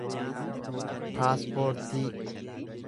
paaspoortii